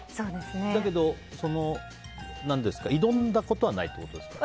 だけど、挑んだことはないということですか。